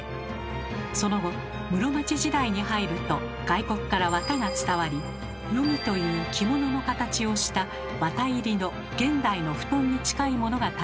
その後室町時代に入ると外国からわたが伝わり「夜着」という着物の形をしたわた入りの現代の布団に近いものが誕生しました。